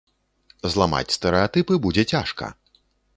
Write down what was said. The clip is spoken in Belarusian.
Зламаць стэрэатыпы будзе цяжка.